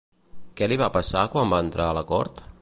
Què li va passar quan va entrar a la cort?